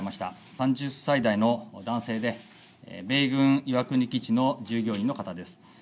３０歳代の男性で、米軍岩国基地の従業員の方です。